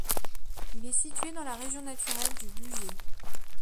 Il est situé dans la région naturelle du Bugey.